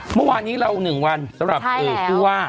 เมื่อวานนี้เรา๑วันสำหรับผู้ว่า